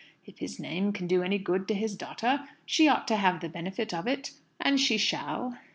If his name can do any good to his daughter, she ought to have the benefit of it and she shall."